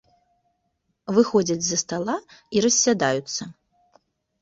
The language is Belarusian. Выходзяць з-за стала і рассядаюцца.